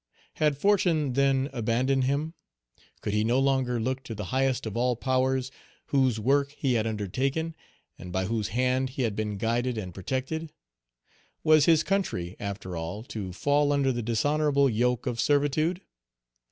Had fortune, then, abandoned him? Could he no longer look to the highest of all Page 209 powers, whose work he had undertaken, and by whose hand he had been guided and protected? Was his country, after all, to fall under the dishonorable yoke of servitude?